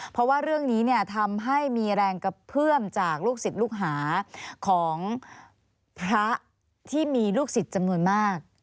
เพราะว่าเรื่องนี้ทำให้มีแรงกระเพื่อมจากลูกศิษย์ลูกหาของพระที่มีลูกศิษย์จำนวนมาก